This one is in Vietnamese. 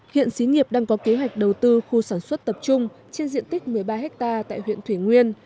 hiện xí nghiệp đang có kế hoạch đầu tư khu sản xuất tập trung trên diện tích một mươi ba hectare tại huyện thủy nguyên